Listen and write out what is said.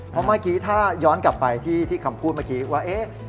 เพราะเมื่อกี้ถ้าย้อนกลับไปที่คำพูดเมื่อกี้ว่า